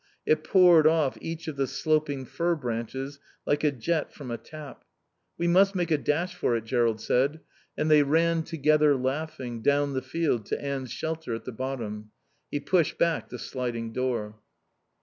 It poured off each of the sloping fir branches like a jet from a tap. "We must make a dash for it," Jerrold said. And they ran together, laughing, down the field to Anne's shelter at the bottom. He pushed back the sliding door.